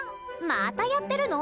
またやってるの？